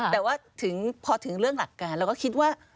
แต่ว่าถึงพอถึงเรื่องหลักการเราก็คิดว่า